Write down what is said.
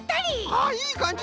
あいいかんじ！